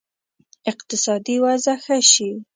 اقتصادي وضع ښه شي.